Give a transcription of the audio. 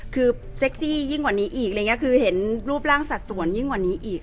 คือเซ็กซี่ยิ่งกว่านี้อีกคือเห็นรูปร่างสัดส่วนยิ่งกว่านี้อีก